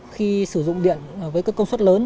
khi sử dụng điện với công suất lớn